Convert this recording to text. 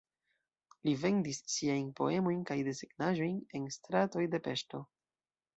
Li vendis siajn poemojn kaj desegnaĵojn en stratoj de Peŝto.